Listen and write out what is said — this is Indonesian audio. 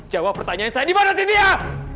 jawab pertanyaan saya dimana sintia